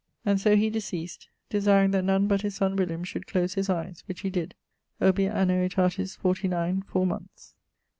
And so he deceased, desiring that none but his son William should close his eies (which he did). Obiit anno aetatis 49, 4 months.